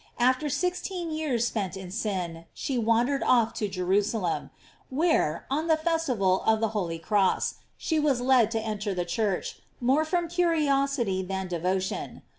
After sixteen years spent in sin, she wandered off to Jerusalem; when , on the festival of the Holy Cross, she was led to enter the church, more from curiosity than de votion.